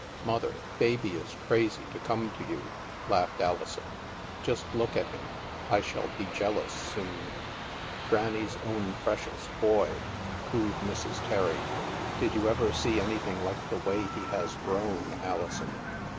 " Mother, Baby is crazy to come to you," laughed Alison. "Just look at him. I shall be jealous soon." " Granny's own precious boy," cooed Mrs. Terry ; "did you ever see anything like the way he has grown, Alison